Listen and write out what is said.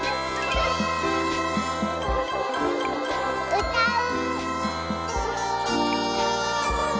うたう！